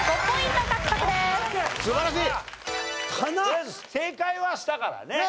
とりあえず正解はしたからね。